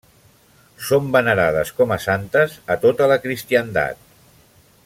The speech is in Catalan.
Són venerades com a santes a tota la cristiandat.